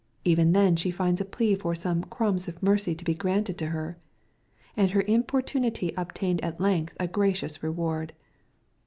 Even then she finds a plea for some " crumbs" of mercy to be granted to her. And her importunity obtained at length a gracious re ward.